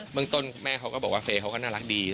เมืองต้นคุณแม่เขาก็บอกว่าเฟย์เขาก็น่ารักดี